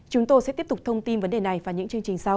chúng tôi sẽ tiếp tục thông tin vấn đề này vào những chương trình sau